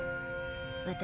私。